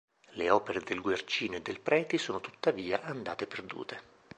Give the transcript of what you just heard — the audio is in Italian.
Le opere del Guercino e del Preti sono tuttavia andate perdute.